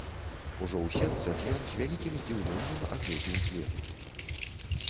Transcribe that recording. Ужо ў сенцах ён з вялікім здзіўленнем агледзеў дзверы.